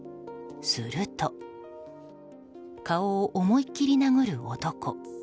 すると顔を、思い切り殴る男。